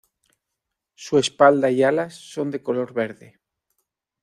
Su espalda y alas son de color verde.